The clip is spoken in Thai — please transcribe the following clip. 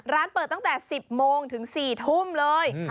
ร้านเปิดตั้งแต่๑๐โมงถึง๔ทุ่มเลย